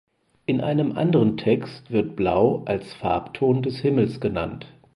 In einem anderen Text wird Blau als Farbton des Himmels genannt.